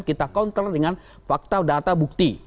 kita kontrol dengan fakta data bukti